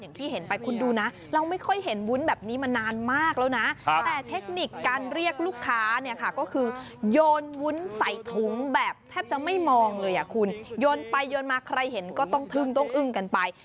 ยนต์ไปยนต์มาใครเห็นก็ต้องทึ่งต้องอึ้งกันไป